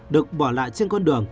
được bỏ lại trên con đường